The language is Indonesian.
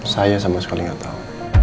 saya sama sekali gak tau